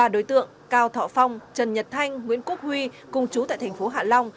ba đối tượng cao thọ phong trần nhật thanh nguyễn quốc huy cùng chú tại tp hạ long